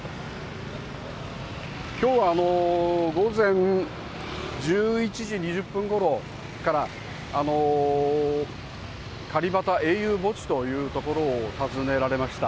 きょうは午前１１時２０分ごろからカリバタ英雄墓地という所を訪ねられました。